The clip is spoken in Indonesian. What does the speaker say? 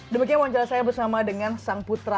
demikian wawancara saya bersama dengan sang putra